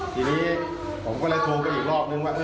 ทีนี้ผมก็เลยโทรไปอีกรอบนึงว่า